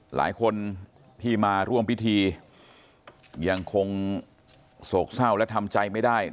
หลายคนที่มาร่วมพิธียังคงโศกเศร้าและทำใจไม่ได้